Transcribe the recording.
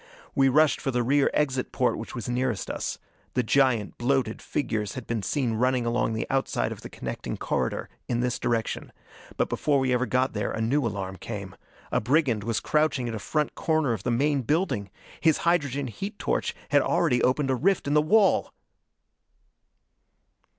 We rushed for the rear exit porte which was nearest us. The giant bloated figures had been seen running along the outside of the connecting corridor, in this direction. But before we ever got there, a new alarm came. A brigand was crouching at a front corner of the main building! His hydrogen heat torch had already opened a rift in the wall!